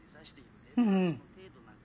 うんうん。